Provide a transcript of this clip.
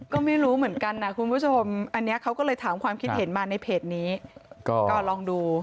ก็ไม่รู้เหมือนกันนะคุณผู้ชมอันนี้เขาก็เลยถามความคิดเห็นมาในเพจนี้ก็ลองดู